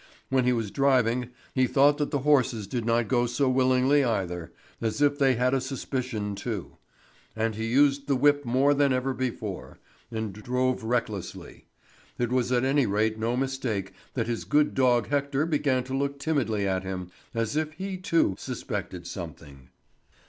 When he was driving he thought that the horses did not go so willingly either as if they had a suspicion too; and he used the whip more than ever before, and drove recklessly. It was at any rate no mistake that his good dog Hector began to look timidly at him, as if he too suspected something.